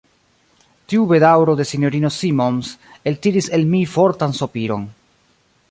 Tiu bedaŭro de S-ino Simons eltiris el mi fortan sopiron.